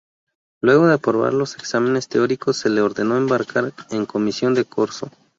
Luego de aprobar los exámenes teóricos se le ordenó embarcar en comisión de corso.